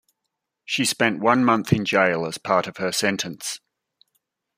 She spent one month in jail as part of her sentence.